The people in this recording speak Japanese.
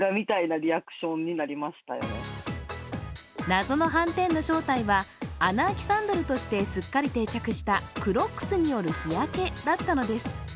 謎の斑点の正体は穴開きサンダルとしてすっかり定着したクロックスによる日焼けだったのです。